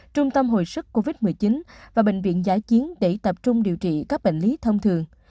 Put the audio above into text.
trung tâm hồi sức covid một mươi chín và bệnh viện giã chiến để tập trung điều trị các bệnh lý thông thường